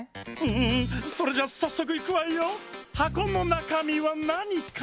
んそれじゃさっそくいくわよ。はこのなかみはなにかしら？